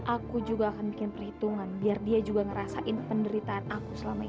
aku juga akan bikin perhitungan biar dia juga ngerasain penderitaan aku selama ini